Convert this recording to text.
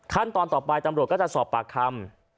ขั้นตอนต่อไปตำรวจก็จะสอบปากคำ